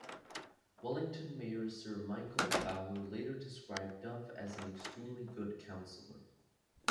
Wellington Mayor Sir Michael Fowler later described Duff as an "extremely good" councillor.